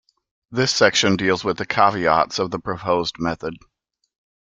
This section deals with the caveats of the proposed method.